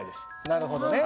なるほどね。